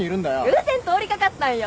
偶然通り掛かったんよ。